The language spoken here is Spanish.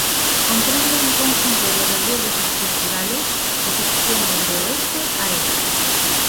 Comprende un conjunto de relieves estructurales que se extienden de oeste a este.